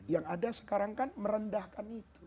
yang ada sekarang kan merendahkan itu